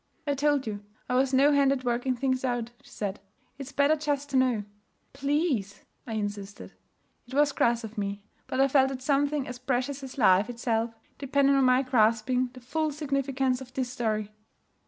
'I told you I was no hand at working things out,' she said. 'It's better just to know.' 'Please!' I insisted. It was crass in me; but I felt that something as precious as life itself depended on my grasping the full significance of this story.